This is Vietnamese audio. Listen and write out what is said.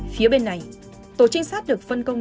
phía bên này tổ trinh sát được phân công